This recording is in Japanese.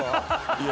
・いや